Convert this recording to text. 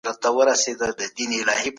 سم نیت بریالیتوب نه خرابوي.